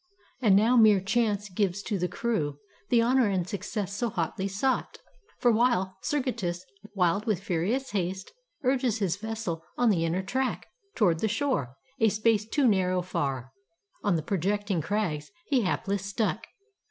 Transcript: And now mere chance gives to the crew The honor and success so hotly sought. For while Sergestus, wild with furious haste. Urges his vessel on the inner track Toward the shore, a space too narrow far, On the projecting crags he hapless struck.